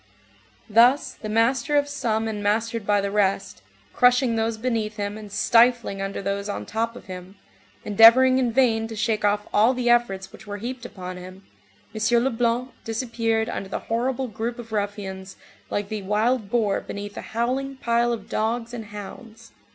Thus, the master of some and mastered by the rest, crushing those beneath him and stifling under those on top of him, endeavoring in vain to shake off all the efforts which were heaped upon him, M. Leblanc disappeared under the horrible group of ruffians like the wild boar beneath a howling pile of dogs and hounds.